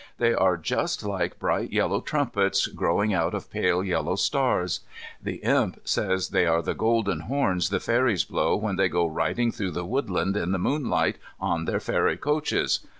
They are just like bright yellow trumpets growing out of pale yellow stars. The Imp says they are the golden horns the fairies blow when they go riding through the woodland in the moonlight on their fairy coaches.